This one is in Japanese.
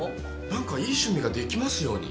なんかいい趣味が出来ますように。